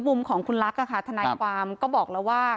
มุมของคุณลักษณ์ทนายความก็บอกแล้วว่า